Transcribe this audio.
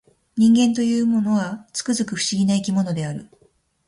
人間というものは、つくづく不思議な生き物である